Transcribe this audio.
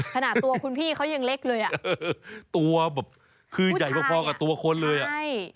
ขนาดตัวคุณพี่เขายังเล็กเลยอ่ะตัวแบบคือใหญ่พอกับตัวคนเลยอ่ะใช่